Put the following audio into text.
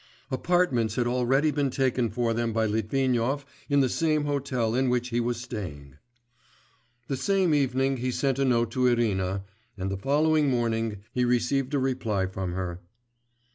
Apartments had already been taken for them by Litvinov in the same hotel in which he was staying. The same evening he sent a note to Irina, and the following morning he received a reply from her.